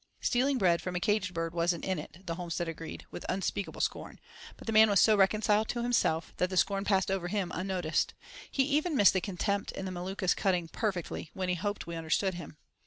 "Stealing bread from a caged bird wasn't in it!" the homestead agreed, with unspeakable scorn; but the man was so reconciled to himself that the scorn passed over him unnoticed. He even missed the contempt in the Maluka's cutting "Perfectly!" when he hoped we understood him.